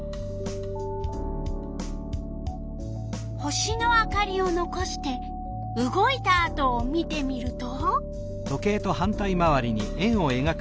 星の明かりをのこして動いたあとを見てみると？